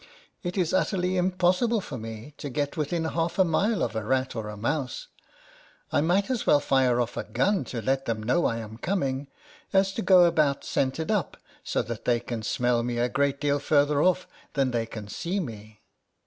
It is utterly im possible for me to get within half a mile of a rat or a mouse. I might as well fire off a gun to let them know I am coming, as to go about scented up so that they can smell me a great deal farther off than they can see me.